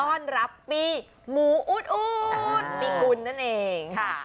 ต้อนรับปีหมูอู๊ดปีกุลนั่นเองค่ะ